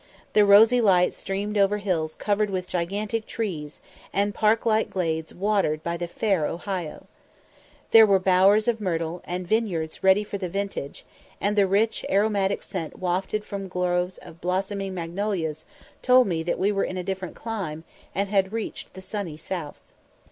The rosy light streamed over hills covered with gigantic trees, and park like glades watered by the fair Ohio. There were bowers of myrtle, and vineyards ready for the vintage, and the rich aromatic scent wafted from groves of blossoming magnolias told me that we were in a different clime, and had reached the sunny south.